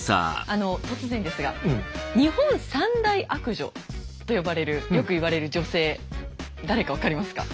突然ですが「日本三大悪女」と呼ばれるよく言われる女性誰か分かりますか？